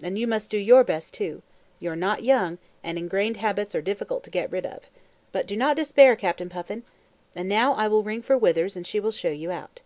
And you must do your best too. You are not young, and engrained habits are difficult to get rid of. But do not despair, Captain Puffin. And now I will ring for Withers and she will show you out."